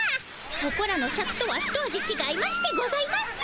そこらのシャクとはひと味ちがいましてございます。